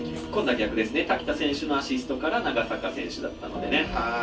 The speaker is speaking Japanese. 「今度は逆ですね滝田選手のアシストから長坂選手だったのでね。